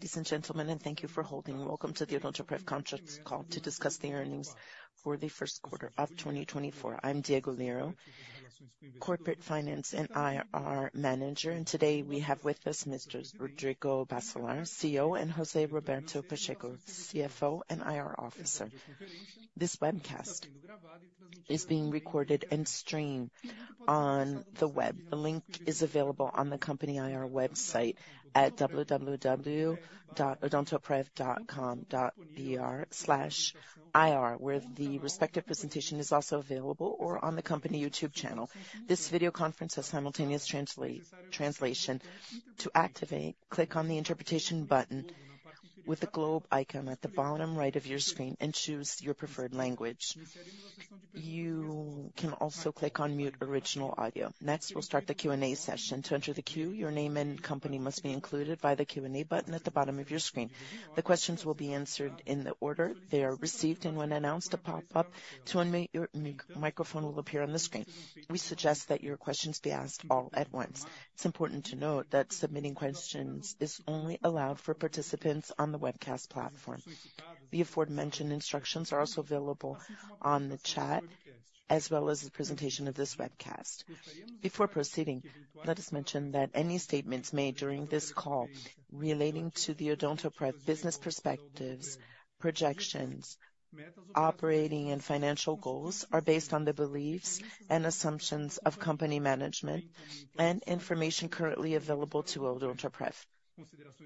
Ladies and gentlemen, and thank you for holding. Welcome to the Odontoprev Contracts Call to discuss the earnings for the first quarter of 2024. I'm Diego Lyra, Corporate Finance and IR Manager. And today, we have with us, Mr. Rodrigo Bacellar, CEO, and José Roberto Pacheco, CFO and IR Officer. This webcast is being recorded and streamed on the web. The link is available on the company IR website at www.odontoprev.com.br/ir, where the respective presentation is also available or on the company YouTube channel. This video conference has simultaneous translation. To activate, click on the interpretation button with the globe icon at the bottom right of your screen and choose your preferred language. You can also click on Mute Original Audio. Next, we'll start the Q&A session. To enter the queue, your name and company must be included via the Q&A button at the bottom of your screen. The questions will be answered in the order they are received, and when announced, a pop-up to unmute your microphone will appear on the screen. We suggest that your questions be asked all at once. It's important to note that submitting questions is only allowed for participants on the webcast platform. The aforementioned instructions are also available on the chat, as well as the presentation of this webcast. Before proceeding, let us mention that any statements made during this call relating to the Odontoprev business perspectives, projections, operating and financial goals, are based on the beliefs and assumptions of company management and information currently available to Odontoprev.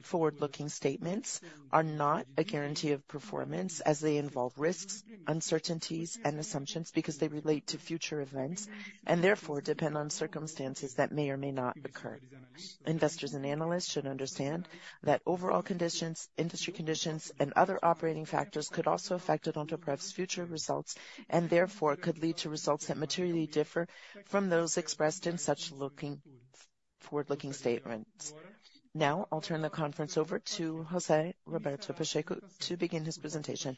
Forward-looking statements are not a guarantee of performance as they involve risks, uncertainties and assumptions because they relate to future events, and therefore, depend on circumstances that may or may not occur. Investors and analysts should understand that overall conditions, industry conditions, and other operating factors could also affect Odontoprev's future results, and therefore, could lead to results that materially differ from those expressed in such forward-looking statements. Now, I'll turn the conference over to José Roberto Pacheco to begin his presentation.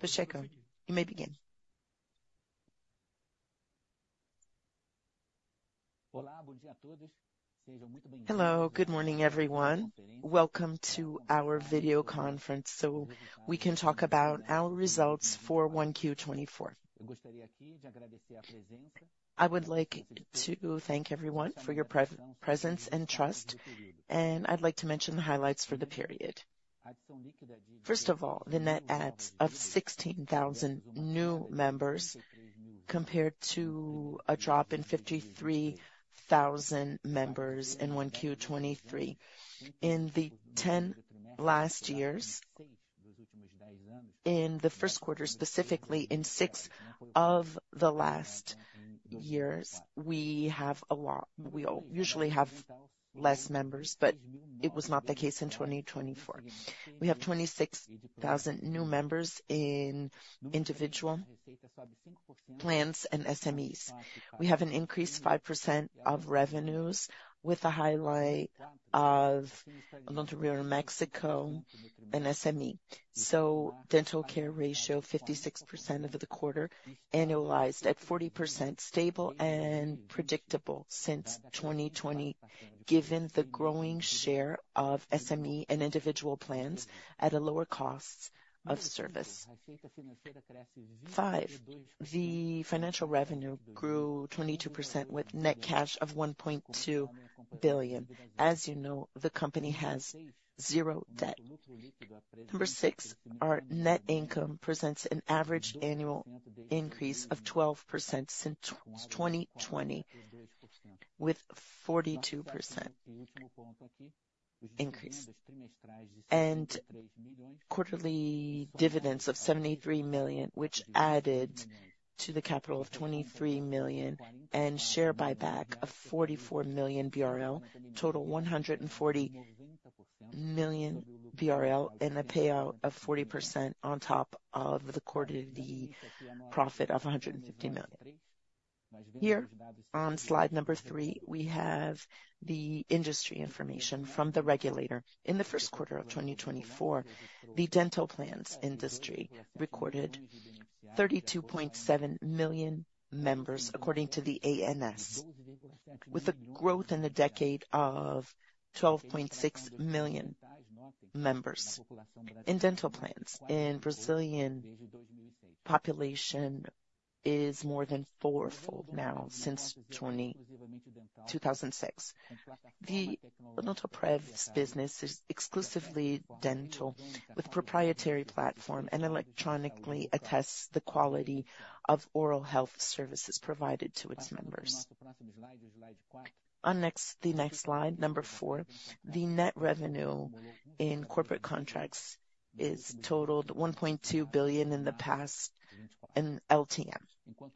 Pacheco, you may begin. Hello, good morning, everyone. Welcome to our video conference, so we can talk about our results for 1Q 2024. I would like to thank everyone for your presence, and trust, and I'd like to mention the highlights for the period. First of all, the net adds of 16,000 new members, compared to a drop in 53,000 members in 1Q 2023. In the 10 last years, in the first quarter, specifically in six of the last years, we have a lot-- we usually have less members, but it was not the case in 2024. We have 26,000 new members in individual plans and SMEs. We have an increased 5% of revenues, with a highlight of Odontoprev Mexico and SME. So dental care ratio, 56% over the quarter, annualized at 40%, stable and predictable since 2020, given the growing share of SME and individual plans at a lower cost of service. Five, the financial revenue grew 22% with net cash of 1.2 billion. As you know, the company has zero debt. Number six, our net income presents an average annual increase of 12% since 2020, with 42% increase. Quarterly dividends of 73 million, which added to the capital of 23 million and share buyback of 44 million BRL, total 140 million BRL, and a payout of 40% on top of the quarterly profit of 150 million. Here, on slide three, we have the industry information from the regulator. In the first quarter of 2024, the dental plans industry recorded 32.7 million members, according to the ANS, with a growth in the decade of 12.6 million members in dental plans. In Brazil, the population is more than fourfold now since 2006. Odontoprev's business is exclusively dental, with proprietary platform and electronically attests the quality of oral health services provided to its members. On the next slide, number four, the net revenue in corporate contracts is totaled 1.2 billion in the past in LTM,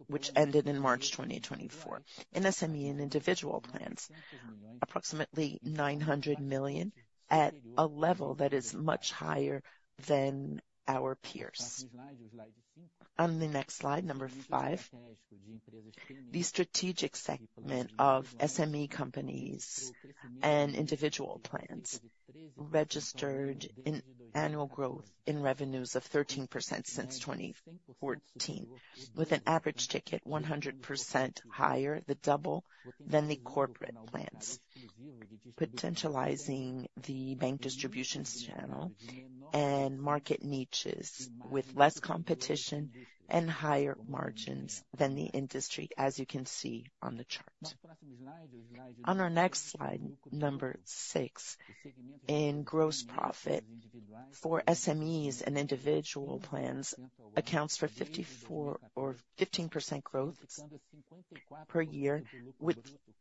which ended in March 2024. In SME and individual plans, approximately 900 million at a level that is much higher than our peers. On the next slide, number five, the strategic segment of SME companies and individual plans registered annual growth in revenues of 13% since 2014, with an average ticket 100% higher, the double than the corporate plans. Potentializing the bank distributions channel and market niches with less competition and higher margins than the industry, as you can see on the chart. On our next slide, number 6, in gross profit for SMEs and individual plans, accounts for 54 or 15% growth per year, with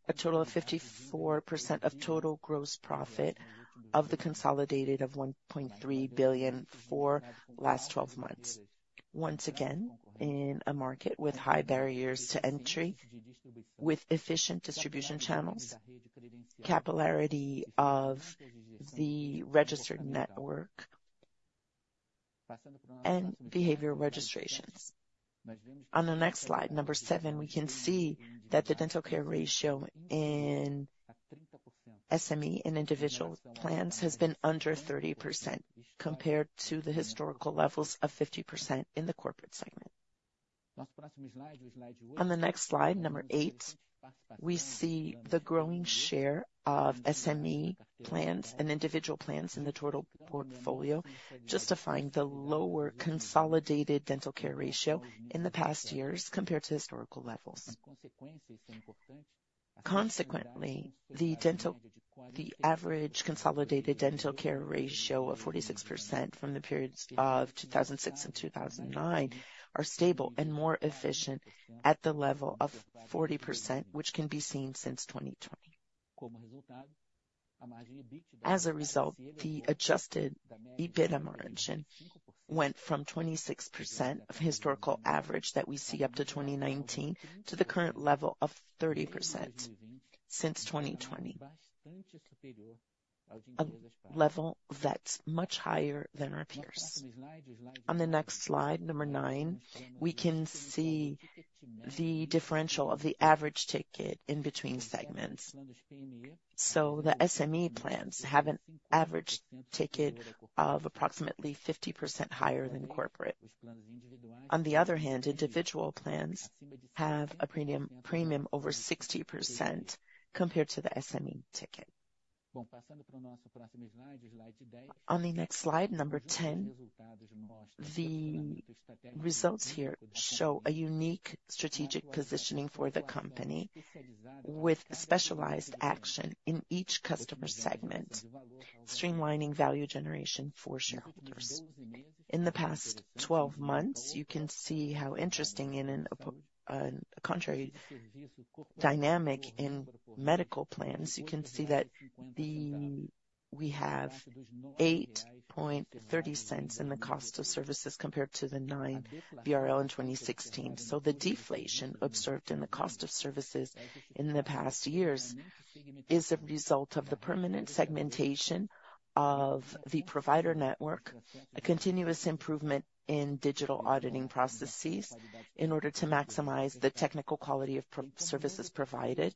a total of 54% of total gross profit of the consolidated of 1.3 billion for last twelve months. Once again, in a market with high barriers to entry, with efficient distribution channels, capillarity of the registered network, and behavioral registrations. On the next slide, number seven, we can see that the dental care ratio in SME and individual plans has been under 30%, compared to the historical levels of 50% in the corporate segment. On the next slide, number eight, we see the growing share of SME plans and individual plans in the total portfolio, justifying the lower consolidated dental care ratio in the past years compared to historical levels. Consequently, the average consolidated dental care ratio of 46% from the periods of 2006 to 2009 are stable and more efficient at the level of 40%, which can be seen since 2020. As a result, the adjusted EBIT margin went from 26% of historical average that we see up to 2019, to the current level of 30% since 2020. A level that's much higher than our peers. On the next slide, number nine, we can see the differential of the average ticket in between segments. So the SME plans have an average ticket of approximately 50% higher than corporate. On the other hand, individual plans have a premium over 60% compared to the SME ticket. On the next slide, number 10, the results here show a unique strategic positioning for the company, with specialized action in each customer segment, streamlining value generation for shareholders. In the past 12 months, you can see how interesting, in a contrary dynamic in medical plans, you can see that we have 8.30 in the cost of services compared to the 9 BRL in 2016. So the deflation observed in the cost of services in the past years is a result of the permanent segmentation of the provider network, a continuous improvement in digital auditing processes in order to maximize the technical quality of services provided,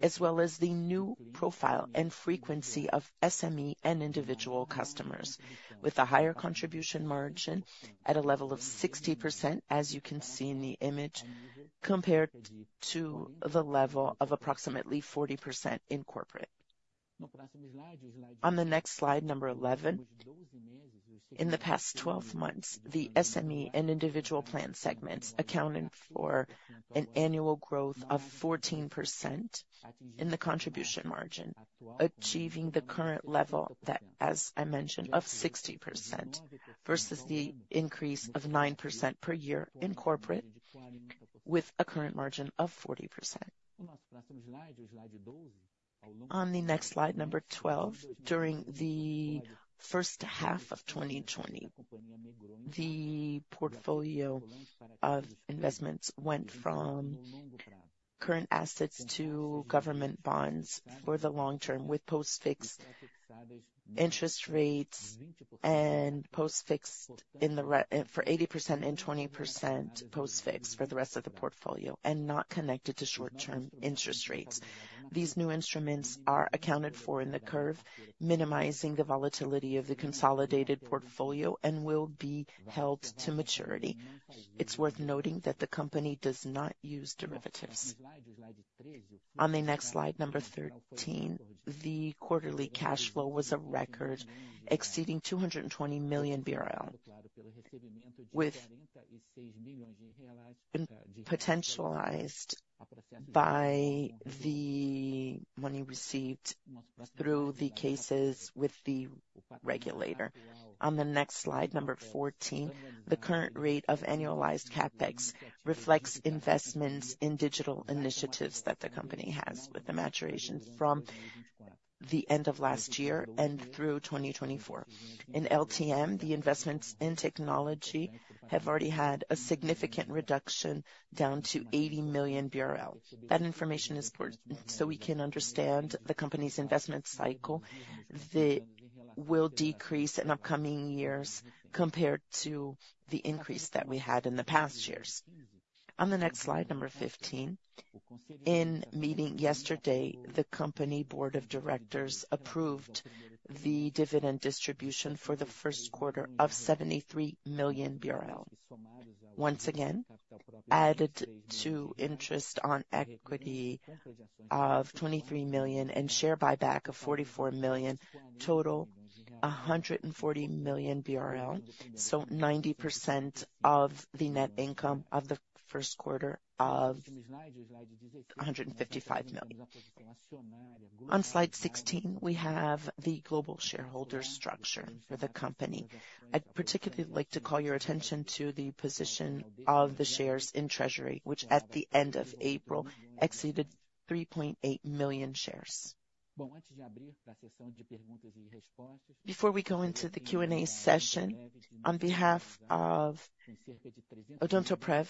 as well as the new profile and frequency of SME and individual customers, with a higher contribution margin at a level of 60%, as you can see in the image, compared to the level of approximately 40% in corporate. On the next slide, number 11. In the past 12 months, the SME and individual plan segments accounted for an annual growth of 14% in the contribution margin, achieving the current level that, as I mentioned, of 60%, versus the increase of 9% per year in corporate, with a current margin of 40%. On the next slide, number 12, during the first half of 2020, the portfolio of investments went from current assets to government bonds for the long term, with post-fixed interest rates and post-fixed in the re-- for 80% and 20% post-fixed for the rest of the portfolio, and not connected to short-term interest rates. These new instruments are accounted for in the curve, minimizing the volatility of the consolidated portfolio and will be held to maturity. It's worth noting that the company does not use derivatives. On the next slide, number 13, the quarterly cash flow was a record exceeding 220 million BRL, with potentialized by the money received through the cases with the regulator. On the next slide, number 14, the current rate of annualized CapEx reflects investments in digital initiatives that the company has, with the maturation from the end of last year and through 2024. In LTM, the investments in technology have already had a significant reduction down to 80 million BRL. That information is important, so we can understand the company's investment cycle, that will decrease in upcoming years compared to the increase that we had in the past years. On the next slide, number 15, in meeting yesterday, the company board of directors approved the dividend distribution for the first quarter of 73 million BRL. Once again, added to interest on equity of 23 million and share buyback of 44 million, total 140 million BRL. So 90% of the net income of the first quarter of 155 million. On slide 16, we have the global shareholder structure for the company. I'd particularly like to call your attention to the position of the shares in treasury, which at the end of April, exceeded 3.8 million shares. Before we go into the Q&A session, on behalf of Odontoprev,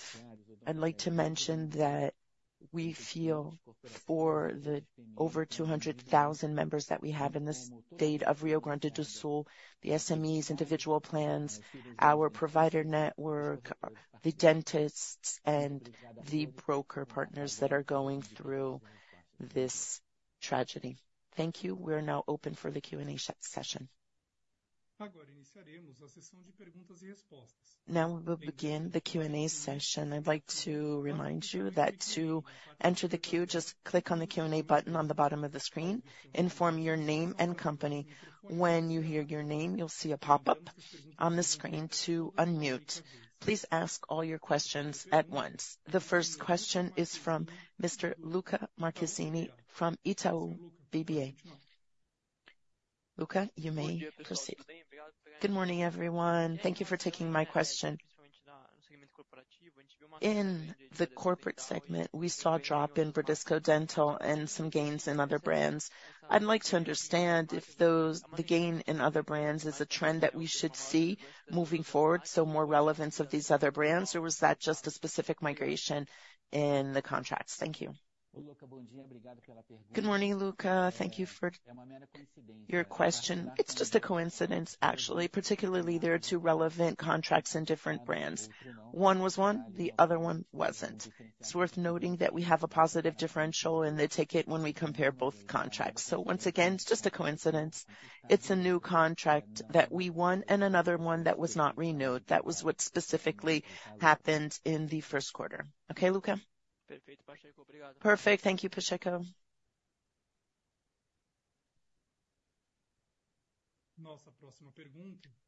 I'd like to mention that we feel for the over 200,000 members that we have in the state of Rio Grande do Sul, the SMEs, individual plans, our provider network, the dentists, and the broker partners that are going through this tragedy. Thank you. We are now open for the Q&A session. Now we will begin the Q&A session. I'd like to remind you that to enter the queue, just click on the Q&A button on the bottom of the screen, inform your name and company. When you hear your name, you'll see a pop-up on the screen to unmute. Please ask all your questions at once. The first question is from Mr. Lucca Marquezini from Itaú BBA. Lucca, you may proceed. Good morning, everyone. Thank you for taking my question. In the corporate segment, we saw a drop in Bradesco Dental and some gains in other brands. I'd like to understand if those, the gain in other brands is a trend that we should see moving forward, so more relevance of these other brands, or was that just a specific migration in the contracts? Thank you. Good morning, Lucca. Thank you for your question. It's just a coincidence, actually. Particularly, there are two relevant contracts in different brands. One was won, the other one wasn't. It's worth noting that we have a positive differential in the ticket when we compare both contracts. So once again, it's just a coincidence. It's a new contract that we won and another one that was not renewed. That was what specifically happened in the first quarter. Okay, Lucca? Perfect. Thank you, Pacheco.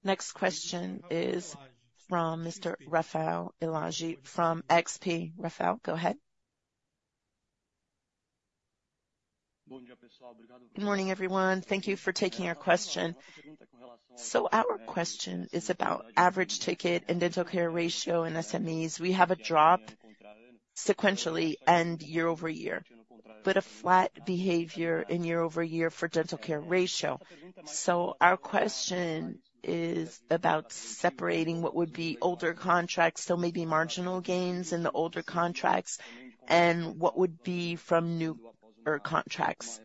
Next question is from Mr. Raphael Elage from XP. Raphael, go ahead. Good morning, everyone. Thank you for taking our question. So our question is about average ticket and dental care ratio in SMEs. We have a drop sequentially and year-over-year, but a flat behavior year-over-year for dental care ratio. So our question is about separating what would be older contracts, so maybe marginal gains in the older contracts, and what would be from newer contracts.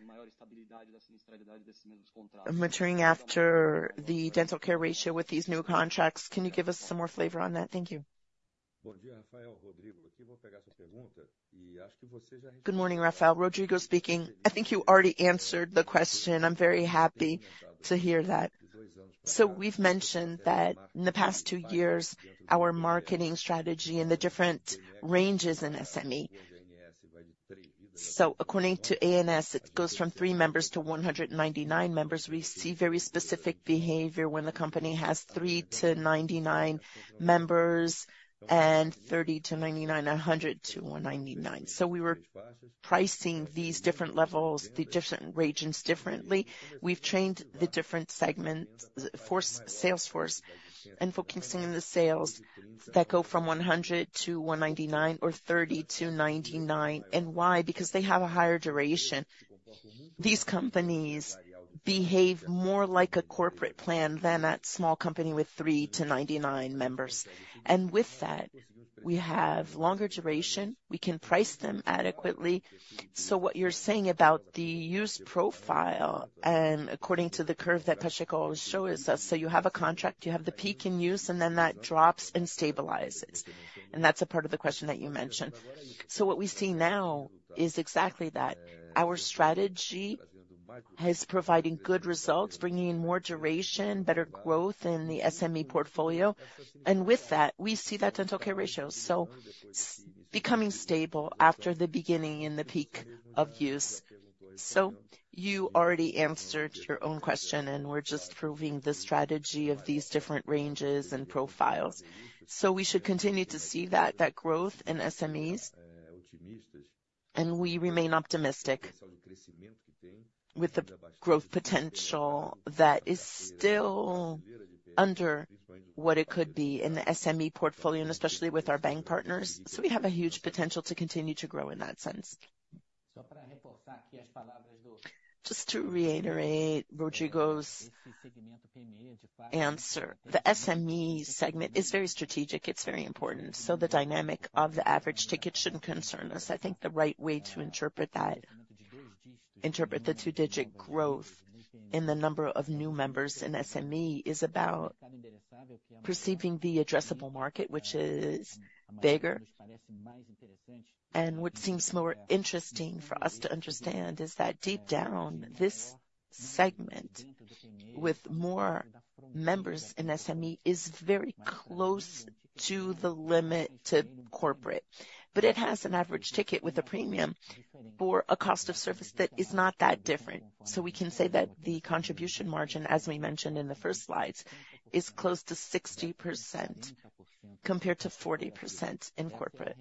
Maturing after the dental care ratio with these new contracts, can you give us some more flavor on that? Thank you. Good morning, Raphael. Rodrigo speaking. I think you already answered the question. I'm very happy to hear that. So we've mentioned that in the past two years, our marketing strategy and the different ranges in SME. So according to ANS, it goes from three members to 199 members. We see very specific behavior when the company has three to 99 members and 30-99, 100-199. So we were pricing these different levels, the different regions differently. We've changed the different segments for sales force and focusing on the sales that go from 100-199 or 30-99. And why? Because they have a higher duration. These companies behave more like a corporate plan than that small company with 3-99 members. And with that, we have longer duration. We can price them adequately. So what you're saying about the use profile and according to the curve that Pacheco always shows us, so you have a contract, you have the peak in use, and then that drops and stabilizes. And that's a part of the question that you mentioned. So what we see now is exactly that. Our strategy is providing good results, bringing in more duration, better growth in the SME portfolio. And with that, we see that dental care ratio becoming stable after the beginning and the peak of use. So you already answered your own question, and we're just proving the strategy of these different ranges and profiles. So we should continue to see that, that growth in SMEs, and we remain optimistic with the growth potential that is still under what it could be in the SME portfolio, and especially with our bank partners. So we have a huge potential to continue to grow in that sense. Just to reiterate Rodrigo's answer, the SME segment is very strategic. It's very important. So the dynamic of the average ticket shouldn't concern us. I think the right way to interpret that. Interpret the two-digit growth in the number of new members in SME is about perceiving the addressable market, which is bigger. And what seems more interesting for us to understand is that deep down, this segment with more members in SME, is very close to the limit to corporate. But it has an average ticket with a premium for a cost of service that is not that different. So we can say that the contribution margin, as we mentioned in the first slides, is close to 60%, compared to 40% in corporate.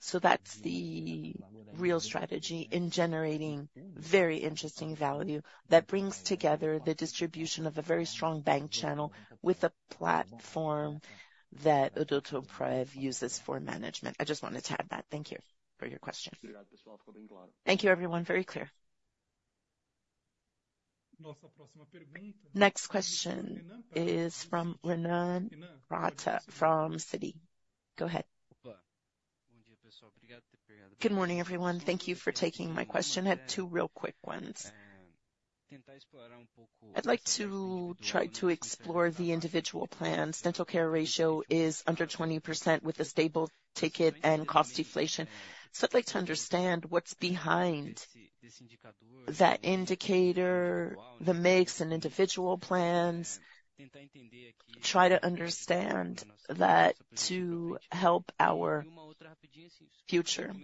So that's the real strategy in generating very interesting value that brings together the distribution of a very strong bank channel with a platform that Odontoprev uses for management. I just wanted to add that. Thank you for your question. Thank you, everyone. Very clear. Next question is from Renan Prata from Citi. Go ahead. Good morning, everyone. Thank you for taking my question. I had two real quick ones. I'd like to try to explore the individual plans. Dental care ratio is under 20% with a stable ticket and cost deflation. So I'd like to understand what's behind that indicator, the mix and individual plans, try to understand that to help our future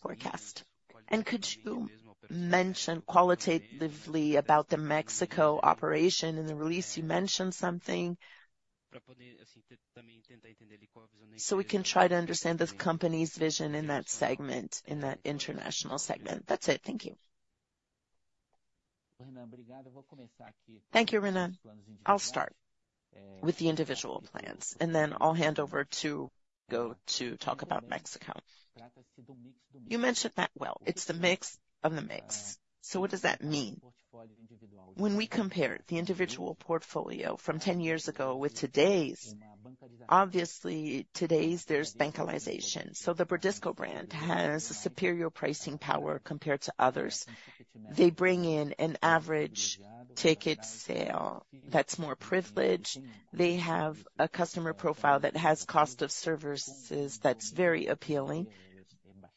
forecast. And could you mention qualitatively about the Mexico operation? In the release, you mentioned something. So we can try to understand the company's vision in that segment, in that international segment. That's it. Thank you. Thank you, Renan. I'll start with the individual plans, and then I'll hand over to go to talk about Mexico. You mentioned that. Well, it's the mix of the mix. So what does that mean? When we compare the individual portfolio from 10 years ago with today's, obviously, today's there's bancarization. So the Bradesco brand has a superior pricing power compared to others. They bring in an average ticket sale that's more privileged. They have a customer profile that has cost of services that's very appealing,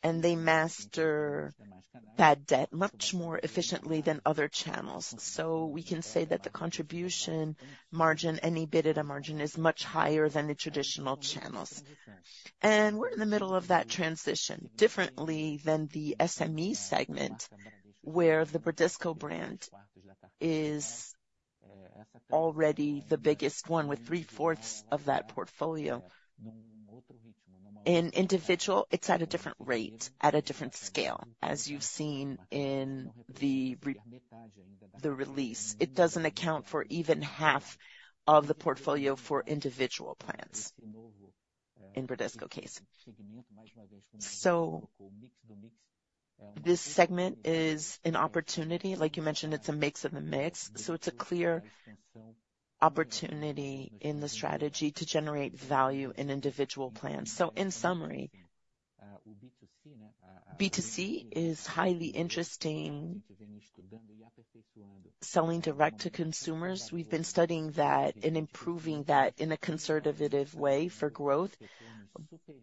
and they master bad debt much more efficiently than other channels. So we can say that the contribution margin and EBITDA margin is much higher than the traditional channels. And we're in the middle of that transition, differently than the SME segment, where the Bradesco brand is already the biggest one, with three-fourths of that portfolio. In individual, it's at a different rate, at a different scale, as you've seen in the release, it doesn't account for even half of the portfolio for individual plans in Bradesco case. So this segment is an opportunity. Like you mentioned, it's a mix of the mix, so it's a clear opportunity in the strategy to generate value in individual plans. So in summary, B2C is highly interesting, selling direct to consumers. We've been studying that and improving that in a conservative way for growth,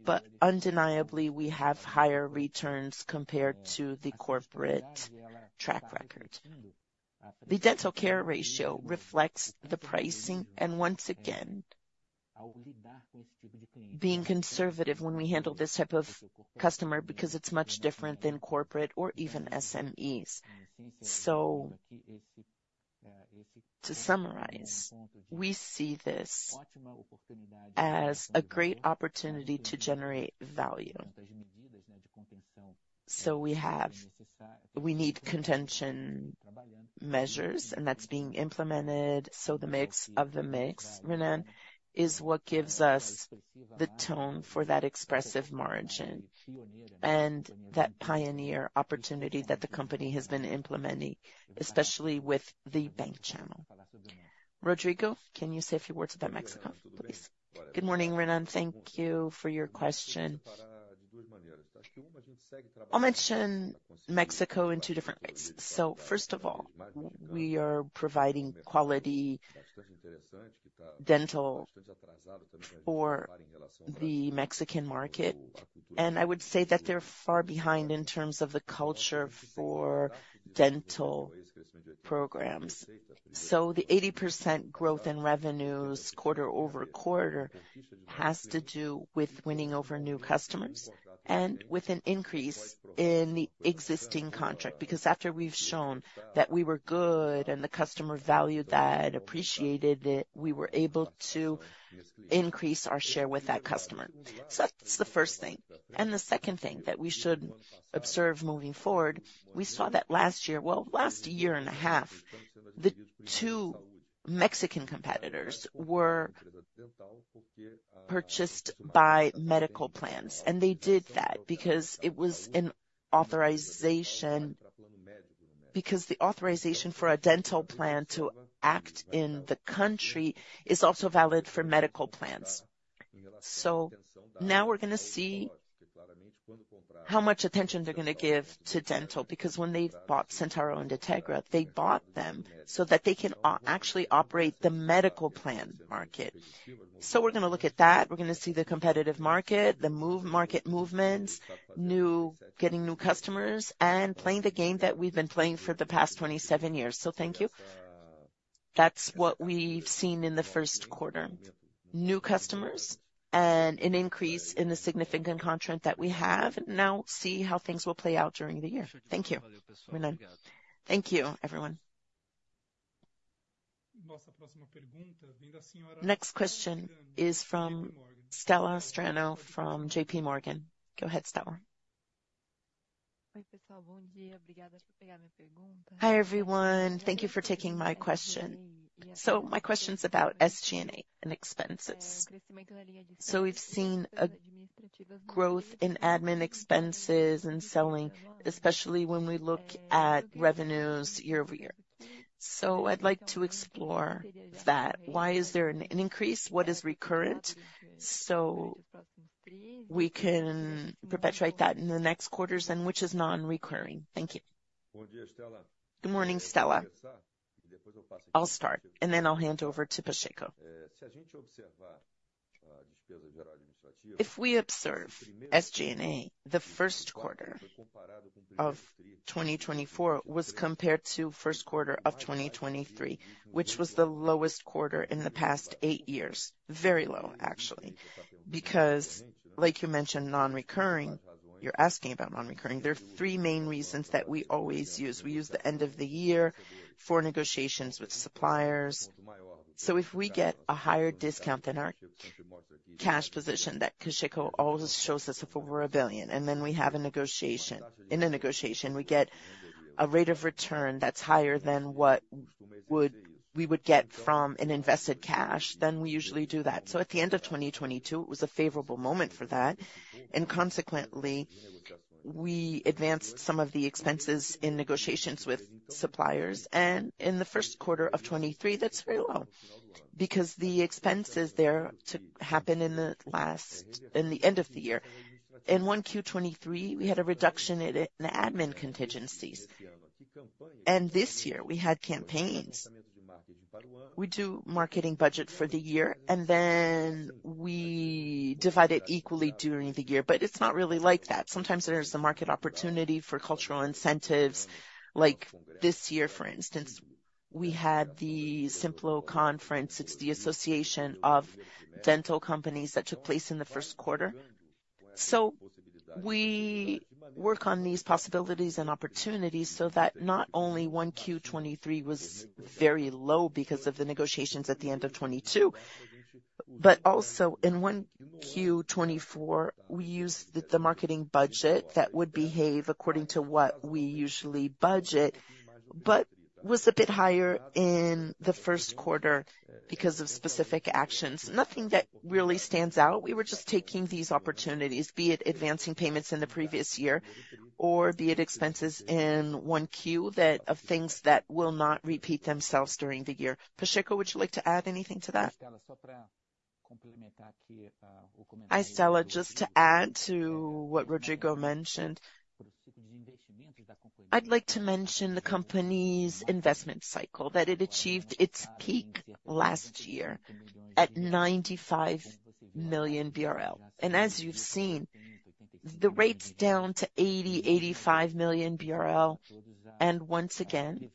but undeniably, we have higher returns compared to the corporate track record. The dental care ratio reflects the pricing and once again, being conservative when we handle this type of customer, because it's much different than corporate or even SMEs. So to summarize, we see this as a great opportunity to generate value. So we have—we need contention measures, and that's being implemented. The mix of the mix, Renan, is what gives us the tone for that expressive margin and that pioneer opportunity that the company has been implementing, especially with the bank channel. Rodrigo, can you say a few words about Mexico, please? Good morning, Renan. Thank you for your question. I'll mention Mexico in two different ways. First of all, we are providing quality dental for the Mexican market, and I would say that they're far behind in terms of the culture for dental programs. The 80% growth in revenues quarter-over-quarter has to do with winning over new customers and with an increase in the existing contract. Because after we've shown that we were good and the customer valued that, appreciated it, we were able to increase our share with that customer. So that's the first thing. The second thing that we should observe moving forward, we saw that last year, well, last year and a half, the two Mexican competitors were purchased by medical plans, and they did that because the authorization for a dental plan to act in the country is also valid for medical plans. So now we're gonna see how much attention they're gonna give to dental, because when they bought Centauro and Dentegra, they bought them so that they can actually operate the medical plan market. So we're gonna look at that. We're gonna see the competitive market, the move, market movements, new getting new customers, and playing the game that we've been playing for the past 27 years. So thank you. That's what we've seen in the first quarter, new customers and an increase in the significant contract that we have. Now see how things will play out during the year. Thank you. Thank you, everyone. Next question is from Stella Strano from JPMorgan. Go ahead, Stella. Hi, everyone. Thank you for taking my question. So my question's about SG&A and expenses. So we've seen a growth in admin expenses and selling, especially when we look at revenues year-over-year. So I'd like to explore that. Why is there an increase? What is recurrent, so we can perpetuate that in the next quarters, and which is non-recurring? Thank you. Good morning, Stella. I'll start, and then I'll hand over to Pacheco. If we observe SG&A, the first quarter of 2024 was compared to first quarter of 2023, which was the lowest quarter in the past eight years. Very low, actually, because like you mentioned, non-recurring, you're asking about non-recurring. There are three main reasons that we always use. We use the end of the year for negotiations with suppliers. So if we get a higher discount than our cash position, that Pacheco always shows us if we're over 1 billion, and then we have a negotiation. In a negotiation, we get a rate of return that's higher than we would get from an invested cash, then we usually do that. So at the end of 2022, it was a favorable moment for that, and consequently, we advanced some of the expenses in negotiations with suppliers. In the first quarter of 2023, that's very low, because the expenses there to happen in the end of the year. In 1Q 2023, we had a reduction in the admin contingencies, and this year we had campaigns. We do marketing budget for the year, and then we divide it equally during the year. But it's not really like that. Sometimes there's a market opportunity for cultural incentives. Like this year, for instance, we had the SINOG conference. It's the Association of Dental Companies that took place in the first quarter. So we work on these possibilities and opportunities so that not only 1Q 2023 was very low because of the negotiations at the end of 2022, but also in 1Q 2024, we used the marketing budget that would behave according to what we usually budget, but was a bit higher in the first quarter because of specific actions. Nothing that really stands out. We were just taking these opportunities, be it advancing payments in the previous year, or be it expenses in 1Q, that of things that will not repeat themselves during the year. Pacheco, would you like to add anything to that? Hi, Stella. Just to add to what Rodrigo mentioned, I'd like to mention the company's investment cycle, that it achieved its peak last year at 95 million BRL. As you've seen, the rate's down to 80 million- 85 million BRL, and once again,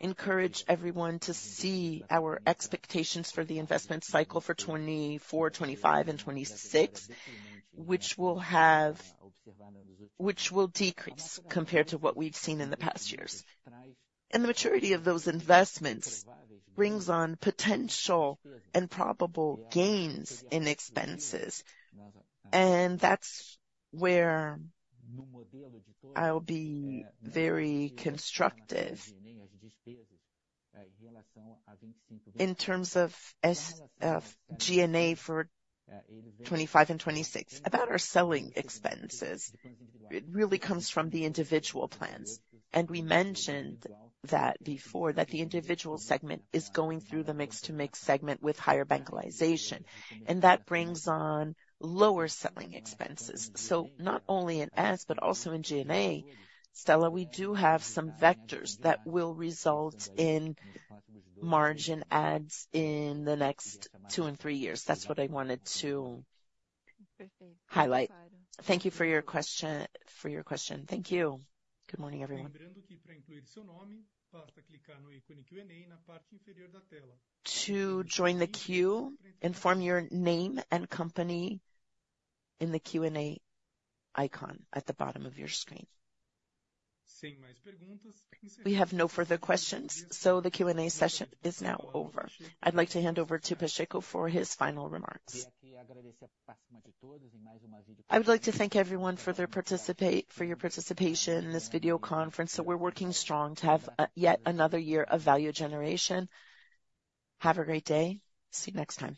encourage everyone to see our expectations for the investment cycle for 2024, 2025 and 2026, which will decrease compared to what we've seen in the past years. The maturity of those investments brings on potential and probable gains in expenses, and that's where I'll be very constructive. In terms of SG&A for 2025 and 2026, about our selling expenses, it really comes from the individual plans. We mentioned that before, that the individual segment is going through the mix to mix segment with higher bancarization, and that brings on lower selling expenses. So not only in ads, but also in SG&A. Stella, we do have some vectors that will result in margin ads in the next two and three years. That's what I wanted to highlight. Thank you for your question, for your question. Thank you. Good morning, everyone. To join the queue, inform your name and company in the Q&A icon at the bottom of your screen. We have no further questions, so the Q&A session is now over. I'd like to hand over to Pacheco for his final remarks. I would like to thank everyone for your participation in this video conference. So we're working strong to have yet another year of value generation. Have a great day. See you next time.